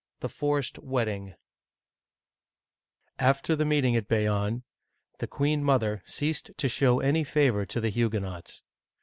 THE FORCED WEDDING AFTER the meeting at Bayonne, the queen mother ^ ceased to show any favor to the Huguenots.